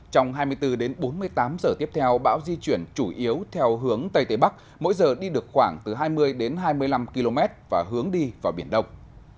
trong hai mươi bốn đến bốn mươi tám giờ tiếp theo bão di chuyển chủ yếu theo hướng tây tây bắc mỗi giờ đi được khoảng từ hai mươi đến hai mươi năm km và hướng đi vào biển đông